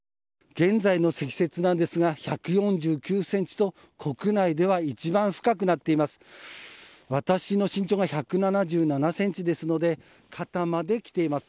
現在の積雪なんですが１４９ｃｍと国内では一番深くなっています。